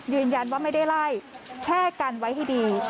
ยืนยันว่าไม่ได้ไล่แค่กันไว้ให้ดี